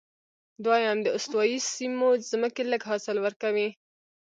دویم، د استوایي سیمو ځمکې لږ حاصل ورکوي.